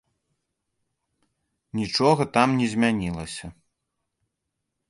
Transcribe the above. Нічога там не змянілася.